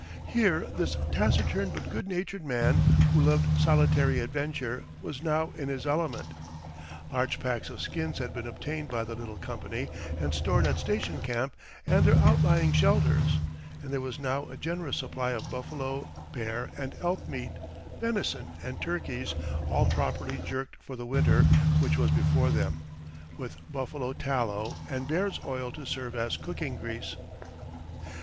Here this taciturn but good natured man, who loved solitary adventure, was now in his element. Large packs of skins had been obtained by the little company and stored at Station Camp and their outlying shelters; and there was now a generous supply of buffalo, bear, and elk meat, venison, and turkeys, all properly jerked for the winter which was before them, with buffalo tallow and bear's oil to serve as cooking grease.